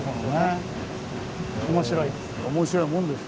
面白いです。